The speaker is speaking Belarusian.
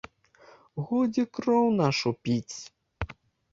Годзе кроў нашу піць!